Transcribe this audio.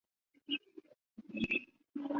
世界上所有气候地区的海洋都有鹱形目的鸟。